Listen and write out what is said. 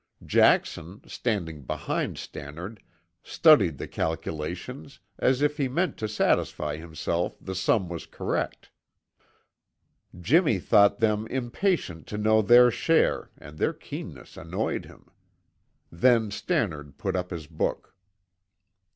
Jackson, standing behind Stannard, studied the calculations, as if he meant to satisfy himself the sum was correct. Jimmy thought them impatient to know their share and their keenness annoyed him. Then Stannard put up his book.